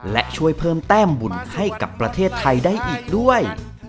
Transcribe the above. และช่วยเพิ่มแต้มบุญให้กับประเทศไทยได้อีกด้วย